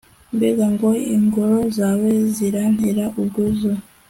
mbega ngo ingoro zawe zirantera ubwuzu